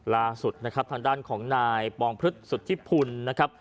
ลาสุดนะครับทางด้านของนายฟพรึษฐพุลนะครับ